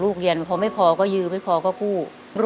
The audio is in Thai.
หล่อหายแนบทุกวัน